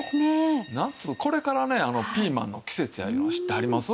夏これからねピーマンの季節やいうの知ってはります？